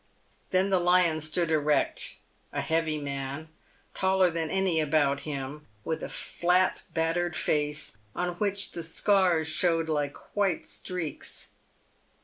Then the lion stood erect — a heavy man, taller than any about him, with a flat, battered face, on which the scars showed like white streaks.